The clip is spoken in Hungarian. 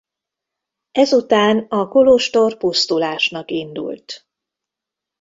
Ezután a kolostor pusztulásnak indult.